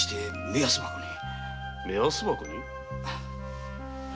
目安箱に？